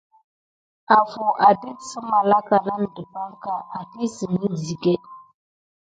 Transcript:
Afuw adek sə malaka nan depanka, akisəmek zəget.